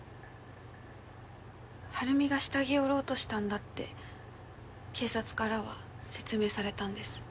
晴美が下着を売ろうとしたんだって警察からは説明されたんです。